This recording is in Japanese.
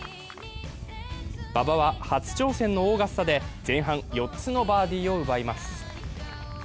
馬場は初挑戦のオーガスタで前半４つのバーディーを奪います。